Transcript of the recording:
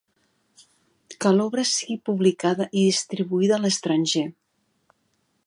Que l'obra sigui publicada i distribuïda a l'estranger.